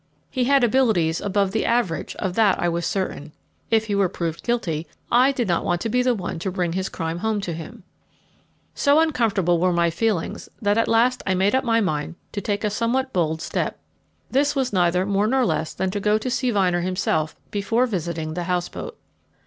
He had abilities above the average, of that I was certain if he were proved guilty, I did not want to be the one to bring his crime home to him. So uncomfortable were my feelings that at last I made up my mind to take a somewhat bold step. This was neither more nor less than to go to see Vyner himself before visiting the house boat.